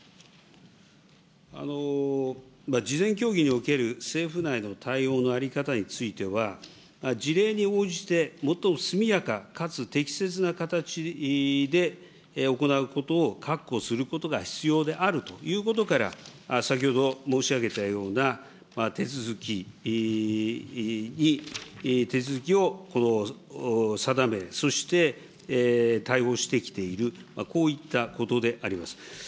事前協議における政府内の対応の在り方については、事例に応じて最も速やかかつ適切な形で行うことを確保することが必要であるということから、先ほど申し上げたような手続きに、手続きを定め、そして、対応してきている、こういったことであります。